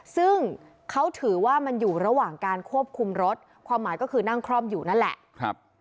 ซึ่งเขาถือว่ามันอยู่ระหว่างการควบคุมรถความหมายก็คือนั่งคล่อมอยู่นั่นแหละ